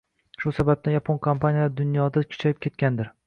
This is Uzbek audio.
Shu sababdan Yapon kompaniyalari dunyoda kuchayib ketgandir.